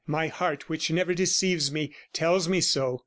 My heart which never deceives me, tells me so.